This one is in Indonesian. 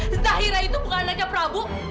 zahira itu bukan anaknya prabu